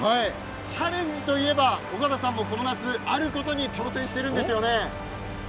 チャレンジといえば尾形さんも、この夏もあることに挑戦しているんですよね。